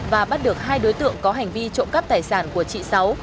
và bắt được hai đối tượng có hành vi trộm cắp tài sản của chị sáu